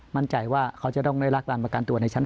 มั่นใจว่าเขาจะต้องได้รับการประกันตัวในชั้น๓